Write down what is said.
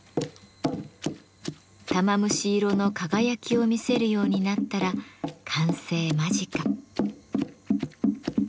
玉虫色の輝きを見せるようになったら完成間近。